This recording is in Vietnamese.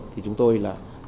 thì chúng tôi là